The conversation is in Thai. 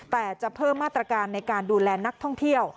แต่จะเพิ่มมาตรการในการดูแลนักท่องเที่ยว